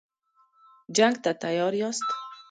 جنګ ته تیار یاست.